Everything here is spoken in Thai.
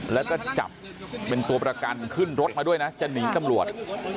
แล้วก็จับเป็นตัวประกันขึ้นรถมาด้วยนะจะหนีตำรวจ